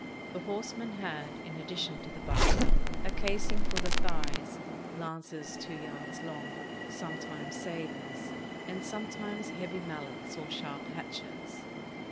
The horsemen had, in addition to the buckler, a casing for the thighs, lances two yards long, sometimes sabers, and sometimes heavy mallets or sharp hatchets.